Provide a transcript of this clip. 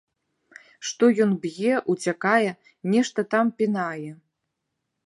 Што ён б'е, уцякае, нешта там пінае.